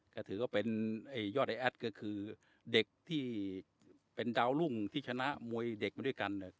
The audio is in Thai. ก็ถือว่าเป็นยอดไอแอดก็คือเด็กที่เป็นดาวรุ่งที่ชนะมวยเด็กมาด้วยกัน